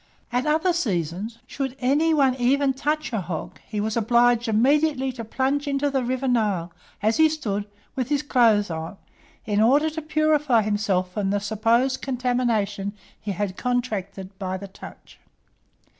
At other seasons, should any one even touch a hog, he was obliged immediately to plunge into the river Nile, as he stood, with his clothes on, in order to purify himself from the supposed contamination he had contracted by the touch.